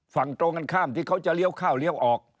ฝั่งตรงกันข้ามที่เขาจะเลี้ยวข้าวเลี้ยวออก